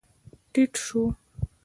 ټيټ شو.